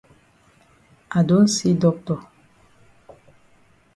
I don see doctor.